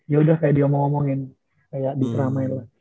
yaudah kayak diomong omongin kayak dikeramain lah